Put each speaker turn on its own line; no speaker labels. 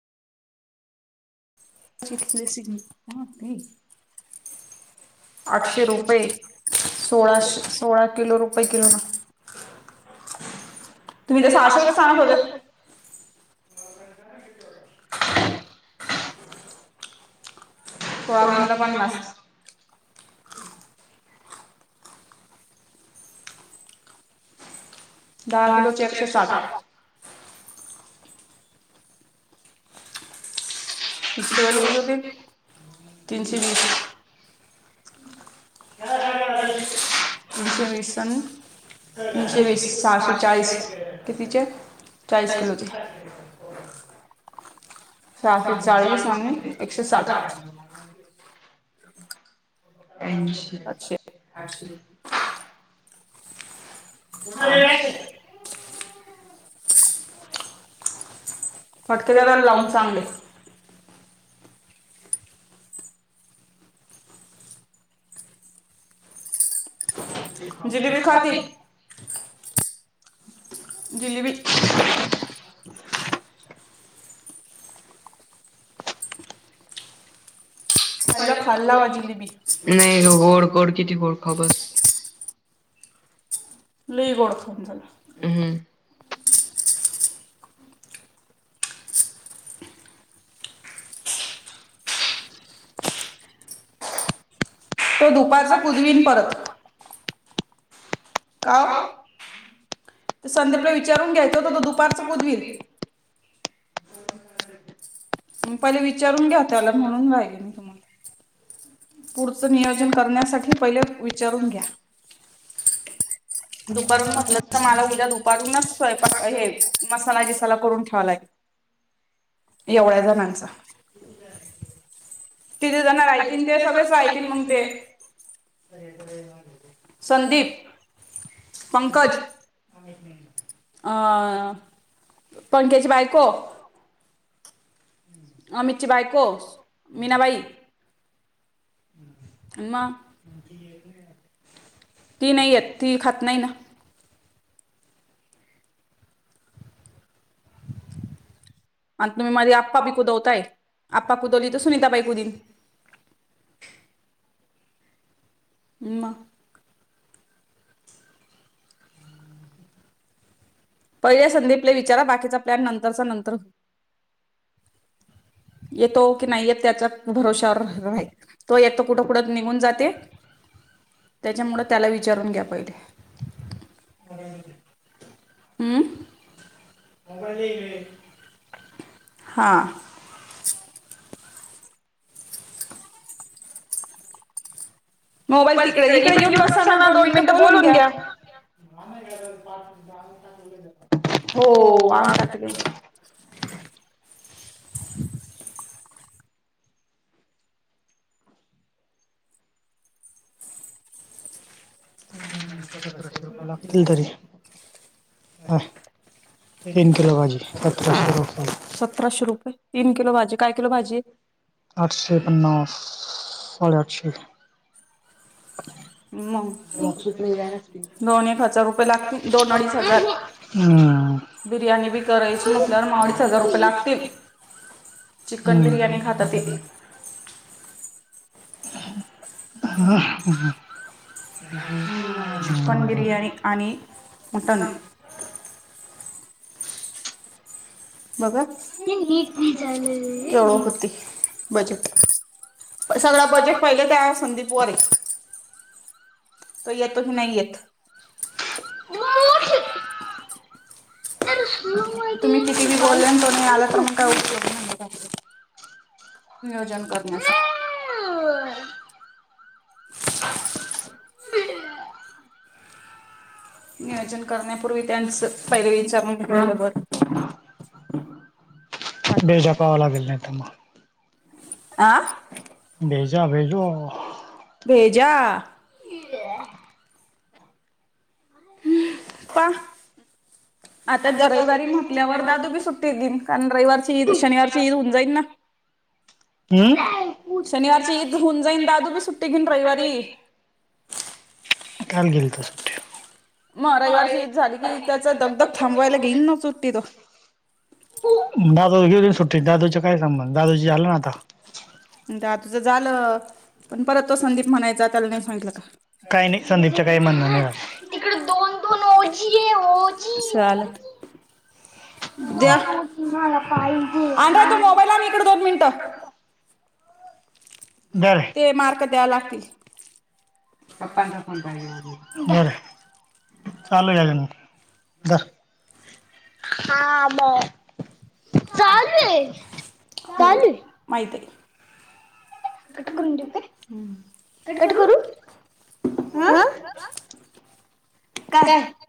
[unintelligible] आठशे रुपये, सोळाशे सोळा किलो रुपये किलो ना
[unintelligible]
सोळा गुणिले पन्नास दहा किलोचे एकशे साठ. तीनशे वीस तीनशे वीस आणि तीनशे वीस, सहाशे चाळीस कितीचे? चाळीस किलोचे.
सहाशे चाळीस आणि [unintelligible] ऐंशी
आठशे [unintelligible] फटके द्यायला पाहिजे लावून चांगले.
दिली का चावी?
जिलेबी [unintelligible] खाल्लावा जिलेबी. लई बुवा खाऊन झालंय. तो दुपारचा पुदवीन परत का वो? ते संदीपला विचारून घ्यायचं होत, तो दुपारचं [unintelligible] मग पहिले विचारून घ्या त्याला, म्हणून राहिली मी तुम्हाला. पुढचं नियोजन करण्यासाठी पहिले विचारून घ्या. दुपारून म्हटलं तर, मला उद्या दुपारूनच स्वयंपाक हे मसाला जिसाला करून ठेवा लागेल.
[unintelligible]
एवढ्या जणांचा. तिथे जण राहतील, ते सगळेच राहतील मंग ते. संदीप पंकज, अं पंक्याची बायको अमितची बायको, मीनाबाई मग? ती नाही येत, ती खात नाही ना? आणि तुम्ही माझी आप्पा बी कुदवताय, आप्पा कुदवली तर सुनीताबाई कुदीन, मग? पहिल्या संदीपले विचारा, बाकीचा प्लॅन नंतरचा नंतर येतो की नाही येत, त्याच्या भरोशावर [unintelligible] तो येतो कुठं कुठं निघून जाते. त्याच्यामुळं त्याला विचारून घ्या पाहिले, बरं. उम्म [inaudible] हा. [unintelligible] मोबाईल तिकडे, इकडे येऊन बसा ना, दोन मिनिटं बोलून घ्या. [inaudible] हो आंग टाकले. [unintelligible]
[unintelligible] सतराशे रुपये लागतील तरी.
[unintelligible] सतराशे रुपये? तीन किलो भाजी, काय किलो भाजी?
अठ्ठशे पन्नास, साडे अठ्ठशे. [unintelligible] उम्म. [unintelligible] हम्म. [unintelligible] ह [unintelligible] [unintelligible]
बघा [inaudible] केवा पत्ती. बजेट, सगळं बजेट पहिले त्या संदीपवर आहे. तो येतो की, नाही येत.
[unintelligible]
तुम्ही किती बी बोलले तो नाही आला तर मग काय उपयोग. [unintelligible] नियोजन करण्यासाठी. नियोजन करण्यापूर्वी, त्यांच पहिले विचारून घेतलेलं बरोबर.
भेजा पळाव लागल नाय तर मग.
आं.
भेजा भेजो.
भेजा.
इया.
[unintelligible] पा. आता रविवारी म्हटल्यावर दादूबी सुट्टी देईल, कारण रविवारची ईद शनिवारची ईद होऊन जाईल ना.
[inaudible]
शनिवारची ईद होऊन जाईन, दादूबी सुट्टी घेईन रविवारी.
काल गेलतो सुट्टीला. [unintelligible] दादाची गेली सुट्टी, दादूचे काय संबंध, दादूची झाला ना आता.
दादूच झालं, पण परत तो संदीप म्हणायचा, त्याला नाय सांगितलं का.
काही नाही, संदीपच काही म्हण नाही. [inaudible] ओजी हे ओजी ओजी. दोन होते मला पाहिजे आणि
इकडे ये एक मिनटं. ते मार्क द्याय लागतील.
पप्पांना [inaudible] बरं. चालोय [unintelligible] बर. हा बर, चालूय चालूय
माहित आहे.
कट करून देऊ काय? कट करू? हा, काय?